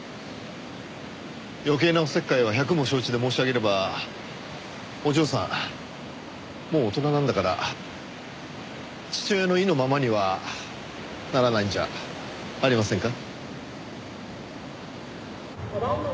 余計なお節介は百も承知で申し上げればお嬢さんもう大人なんだから父親の意のままにはならないんじゃありませんか？